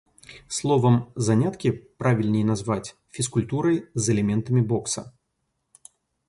Словам, заняткі правільней назваць фізкультурай з элементамі бокса.